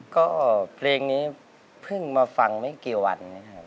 ก็เพลงนี้เพิ่งมาฟังไม่กี่วันนะครับ